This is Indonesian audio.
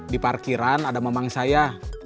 di parkiran ada memang saya